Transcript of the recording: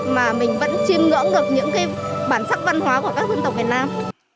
mà mình vẫn chiêm ngưỡng được những cái bản sắc văn hóa của các dân tộc việt nam